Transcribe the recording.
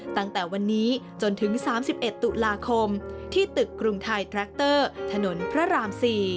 ตั้งแต่วันนี้จนถึง๓๑ตุลาคมที่ตึกกรุงไทยแทรคเตอร์ถนนพระราม๔